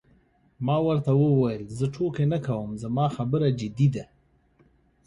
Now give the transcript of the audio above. ما ورته وویل: زه ټوکې نه کوم، زما خبره جدي ده.